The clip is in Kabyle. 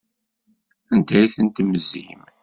Anda ay ten-temzim?